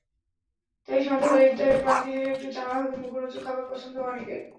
তাই সন্ধ্যাবেলার ইফতারে ক্লান্তি শেষে একটু চাঙা হতে মুখরোচক খাবার পছন্দ অনেকের।